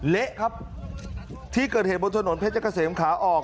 เละครับที่เกิดเหตุบนถนนเพชรเกษมขาออก